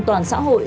toàn xã hội